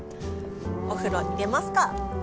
お風呂入れますか！